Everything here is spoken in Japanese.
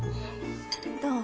どう？